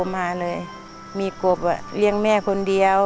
มีโกบเรียกแม่คนเดียว